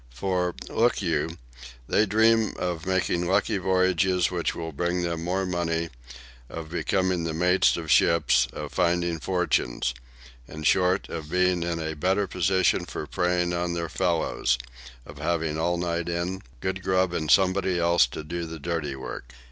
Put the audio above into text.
"For, look you, they dream of making lucky voyages which will bring them more money, of becoming the mates of ships, of finding fortunes—in short, of being in a better position for preying on their fellows, of having all night in, good grub and somebody else to do the dirty work.